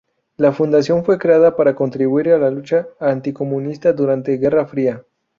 La fundación fue creada para contribuir a la lucha anticomunista durante Guerra Fría.